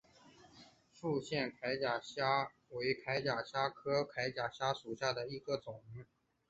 复线铠甲虾为铠甲虾科铠甲虾属下的一个种。